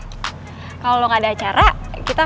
lo pulang sekolah kemana ga ada acara kan